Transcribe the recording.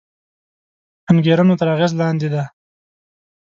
انګېرنو تر اغېز لاندې دی